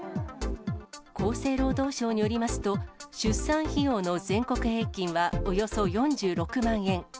厚生労働省によりますと、出産費用の全国平均はおよそ４６万円。